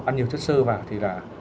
ăn nhiều chất sơ vào thì là